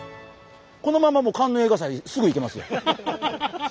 このままもうカンヌ映画祭すぐ行けますよ。